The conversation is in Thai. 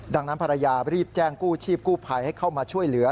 ดังนั้นภรรยารีบแจ้งกู้ชีพกู้ภัยให้เข้ามาช่วยเหลือ